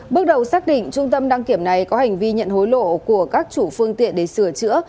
bước đầu xác định trung tâm đăng kiểm này có hành vi nhận hối lộ của các chủ phương tiện để sửa chữa